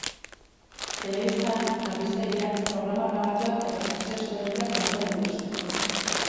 Telebistan albistegiak, programa grabatuak eta fikziozko edukiak emango dituzte.